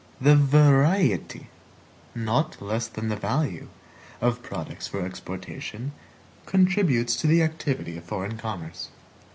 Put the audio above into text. The variety, not less than the value, of products for exportation contributes to the activity of foreign commerce.